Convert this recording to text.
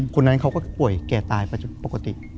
คนนั้นเขาก็ป่วยแก่ตายไปปกติ